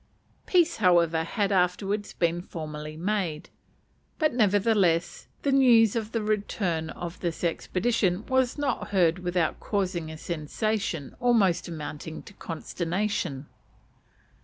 Peace, however, had afterwards been formally made; but, nevertheless, the news of the return of this expedition was not heard without causing a sensation almost amounting to consternation.